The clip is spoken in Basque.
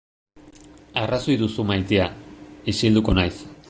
Arrazoi duzu maitea, isilduko naiz.